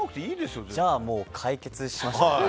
じゃあ、もう解決しました。